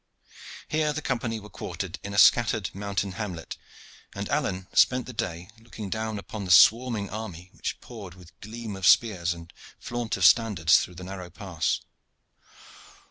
Here the Company were quartered in a scattered mountain hamlet, and Alleyne spent the day looking down upon the swarming army which poured with gleam of spears and flaunt of standards through the narrow pass.